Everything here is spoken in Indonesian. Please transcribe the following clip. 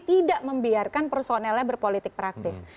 tidak membiarkan personelnya berpolitik praktis